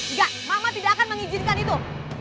enggak mama tidak akan mengizinkan itu